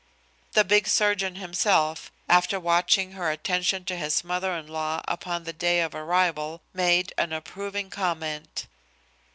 The big surgeon himself, after watching her attention to his mother in law upon the day of arrival, made an approving comment.